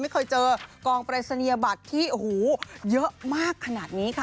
ไม่เคยเจอกองปรายศนียบัตรที่โอ้โหเยอะมากขนาดนี้ค่ะ